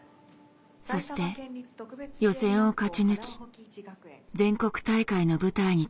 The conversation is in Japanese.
そして予選を勝ち抜き全国大会の舞台に立ちました。